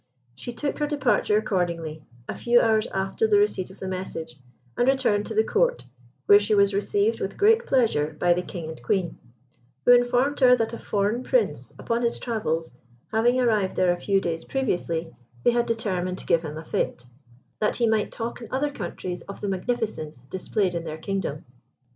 She took her departure accordingly, a few hours after the receipt of the message, and returned to the Court, where she was received with great pleasure by the King and Queen; who informed her that a foreign Prince, upon his travels, having arrived there a few days previously, they had determined to give him a fête, that he might talk in other countries of the magnificence displayed in their kingdom.